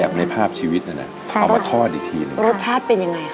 แบบในภาพชีวิตอ่ะน่ะใช่เอามาทอดอีกทีนะรสชาติเป็นยังไงคะ